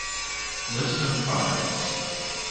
List of products